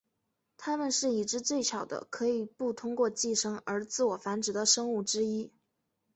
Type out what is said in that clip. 它们是已知最小的可以不通过寄生而自我繁殖的生物之一。